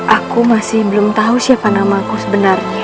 aku masih belum tahu siapa namaku sebenarnya